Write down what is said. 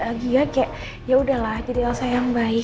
jangan ada agia kayak yaudahlah jadi alasan yang baik